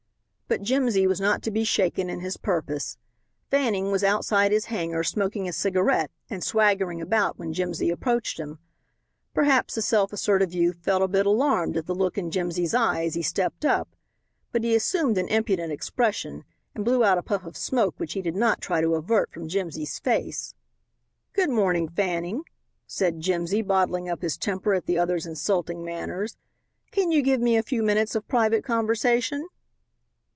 But Jimsy was not to be shaken in his purpose. Fanning was outside his hangar smoking a cigarette and swaggering about when Jimsy approached him. Perhaps the self assertive youth felt a bit alarmed at the look in Jimsy's eye as he stepped up, but he assumed an impudent expression and blew out a puff of smoke which he did not try to avert from Jimsy's face. "Good morning, Fanning," said Jimsy, bottling up his temper at the other's insulting manners, "can you give me a few minutes of private conversation?"